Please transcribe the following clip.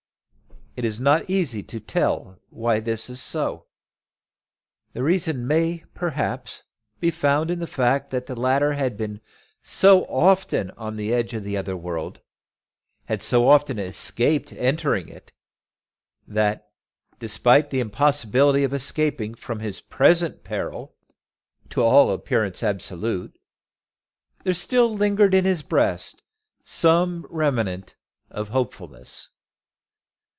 It is not easy to tell why it was so. The reason may, perhaps, be found in the fact, that the latter had been so often on the edge of the other world, had so often escaped entering it, that, despite the impossibility of escaping from his present peril, to all appearance absolute, there still lingered in his breast some remnant of hopefulness.